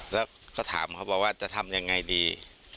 แล้วก็ถามเขาบอกว่าจะทำยังไงดี